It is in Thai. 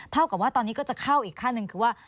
เท่ากับว่าตอนนี้ก็จะเข้าอีกขั้นหนึ่งคือว่า